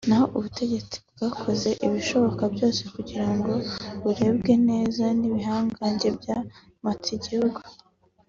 naho ubutegetsi bwakoze ibishoboka byose kugira ngo burebwe neza n’ibihangange bya mpatsibihugu